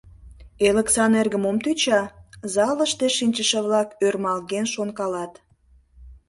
«Элыксан эрге мом тӧча? — залыште шинчыше-влак ӧрмалген шонкалат.